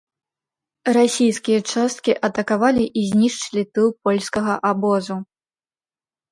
Расійскія часткі атакавалі і знішчылі тыл польскага абозу.